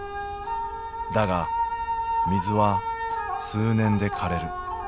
だが水は数年でかれる。